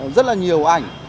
rất là nhiều ảnh